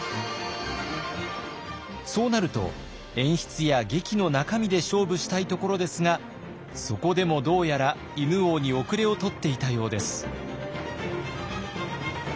そうなると演出や劇の中身で勝負したいところですがそこでもどうやら犬王に後れを取っていたようです。